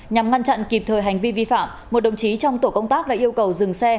nhằm ngăn chặn kịp thời hành vi vi phạm một đồng chí trong tổ công tác đã yêu cầu dừng xe